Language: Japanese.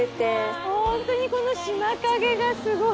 ホントにこの島影がすごい！